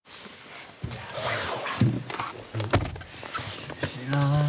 厳しいな。